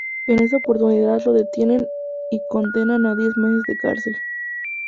En esa oportunidad lo detienen y condenan a diez meses de cárcel.